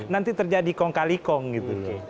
nanti terjadi kong kali kong gitu